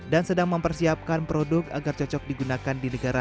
sedang mempersiapkan produk agar cocok digunakan di negara